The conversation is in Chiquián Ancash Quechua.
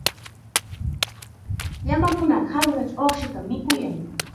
Llamakunaqa hallqachaw uqshatam mikuyan.